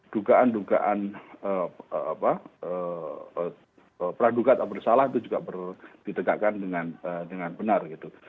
dugaan dugaan pradugaan atau bersalah itu juga ditegakkan dengan benar